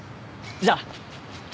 じゃあ。